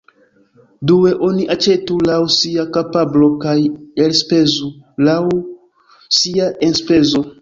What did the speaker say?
Due, oni aĉetu laŭ sia kapablo kaj elspezu laŭ sia enspezo.